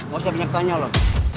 gak usah penyakitnya loh